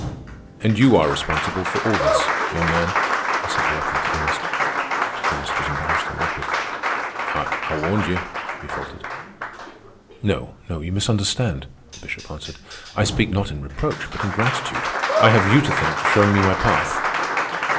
"And you are responsible for all this, young man," he said directly to Ernest. Ernest was embarrassed and awkward. "I—I warned you," he faltered. "No, you misunderstand," the Bishop answered. "I speak not in reproach, but in gratitude. I have you to thank for showing me my path.